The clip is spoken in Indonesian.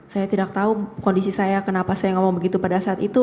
saya tidak tahu kondisi saya kenapa saya ngomong begitu pada saat itu